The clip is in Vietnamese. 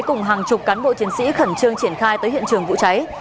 cùng hàng chục cán bộ chiến sĩ khẩn trương triển khai tới hiện trường vụ cháy